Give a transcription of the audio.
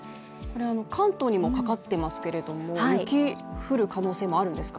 関東にもかかっていますけれども、雪、降る可能性あるんですか？